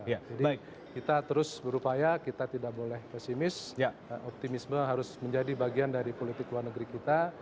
jadi kita terus berupaya kita tidak boleh pesimis optimisme harus menjadi bagian dari politik luar negeri kita